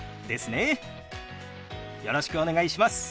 よろしくお願いします。